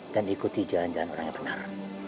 dan ikuti jalan jalan orang yang benar